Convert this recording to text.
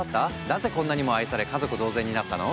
なぜこんなにも愛され家族同然になったの？